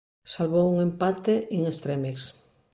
Salvou un empate in extremis.